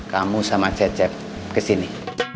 kamu sama cecep kesini